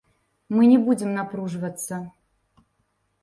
Мы не будзем напружвацца.